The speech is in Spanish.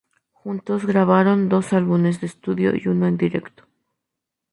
Juntos grabaron dos álbumes de estudio y uno en directo.